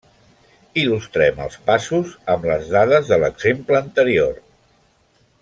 Il·lustrem els passos amb les dades de l'exemple anterior.